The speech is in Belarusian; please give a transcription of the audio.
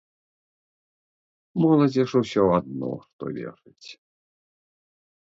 Моладзі ж усё адно, што вешаць.